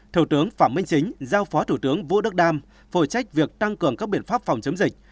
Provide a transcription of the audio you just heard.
thủ tướng phạm minh chính giao phó thủ tướng vũ đức đam phôi trách việc tăng cường các biện pháp phòng chống dịch